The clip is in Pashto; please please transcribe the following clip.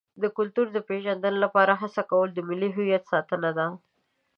د کلتور د پیژندنې لپاره هڅه کول د ملي هویت ساتنه ده.